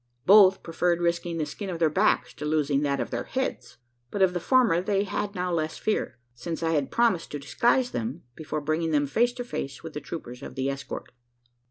Both preferred risking the skin of their backs to losing that of their heads; but of the former they had now less fear: since I had promised to disguise them, before bringing them face to face with the troopers of the escort.